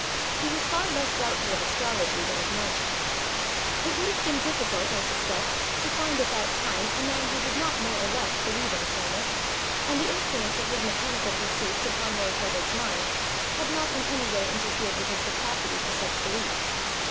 He was far less doubtful of astrology than of magic. It would have been difficult, I suspect, to find at that time a man who did not more or less believe in the former, and the influence of his mechanical pursuits upon lord Herbert's mind had not in any way interfered with his capacity for such belief.